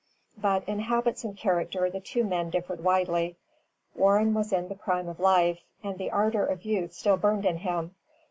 But in habits and character the two men differed widely. Warren was in the prime of life, and the ardor of youth still burned in him.